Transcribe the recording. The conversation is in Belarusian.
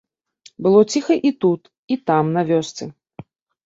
Было ціха і тут, і там, на вёсцы.